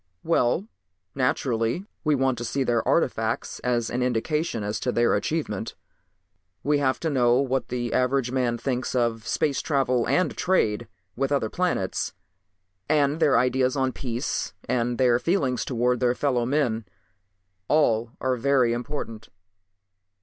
"Well, naturally we want to see their artifacts as an indication as to their advancement. We have to know what the average man thinks of space travel and trade with other planets. And their ideas on peace and their feelings towards their fellow men. All are very important.